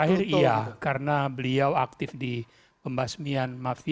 dua tahun terakhir iya karena beliau aktif di pembasmian mafia